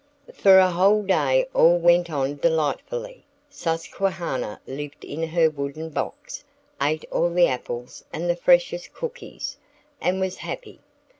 For a whole day all went on delightfully. Susquehanna lived in her wooden box, ate all the apples and the freshest cookies, and was happy.